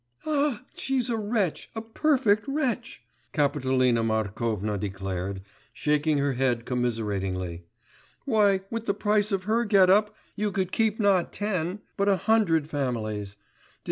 'Ah, she's a wretch, a perfect wretch!' Kapitolina Markovna declared, shaking her head commiseratingly; 'why, with the price of her get up, you could keep not ten, but a hundred families.